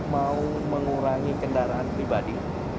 mau mengurangi kendaraan pribadi